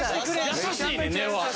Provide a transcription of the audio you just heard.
優しいねん根は。